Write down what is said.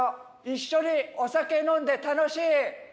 一緒にお酒飲んで楽しい。